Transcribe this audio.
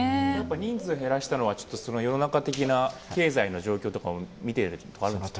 人数を減らしたのは世の中的な経済の状況を見ているとかあるんですか？